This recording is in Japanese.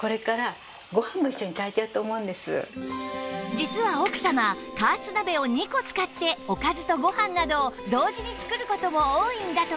実は奥様加圧鍋を２個使っておかずとご飯など同時に作る事も多いんだとか